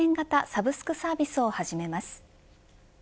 サブスクサービスを始めます。